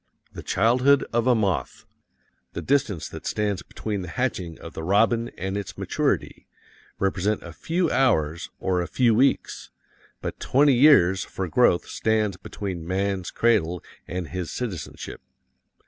The childhood of a moth, the distance that stands between the hatching of the robin and its maturity, represent a few hours or a few weeks, but twenty years for growth stands between man's cradle and his citizenship.